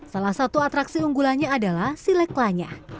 salah satu atraksi unggulannya adalah silek lanya